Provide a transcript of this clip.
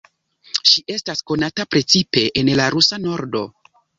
Ŝi estas konata precipe en la Rusa Nordo.